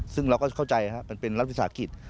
ซึ่งเราก็เข้าใจมันเป็นรัฐศาสตร์อังกฤษ